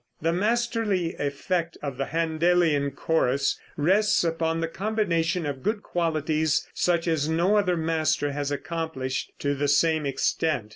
The masterly effect of the Händelian chorus rests upon the combination of good qualities such as no other master has accomplished to the same extent.